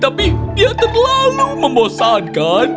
tapi dia terlalu membosankan